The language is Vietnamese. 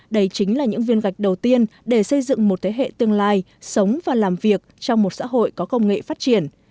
đây chính là những viên gạch đầu tiên để xây dựng một thế hệ tương lai sống và làm việc trong một xã hội có công nghệ phát triển